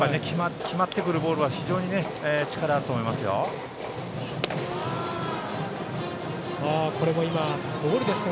決まってくるボールは非常に力があると思います。